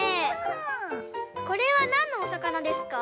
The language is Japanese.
これはなんのおさかなですか？